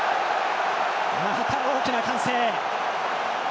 また大きな歓声。